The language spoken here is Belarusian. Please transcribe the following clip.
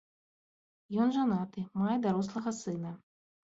Ён жанаты, мае дарослага сына.